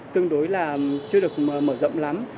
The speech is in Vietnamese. tương đối là chưa được mở rộng lắm